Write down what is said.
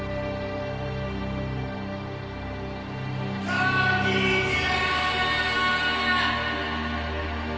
こんにちは！